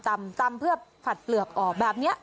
จำเพื่อผัดเปลือกออกแบบนี้